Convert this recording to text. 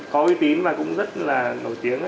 có uy tín và cũng rất là nổi tiếng